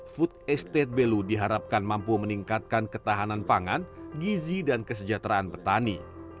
food estate belu diharapkan mampu meningkatkan ketahanan pangan gizi dan kesejahteraan petani